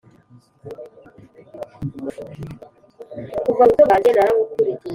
kuva mu buto bwanjye narabukurikiye.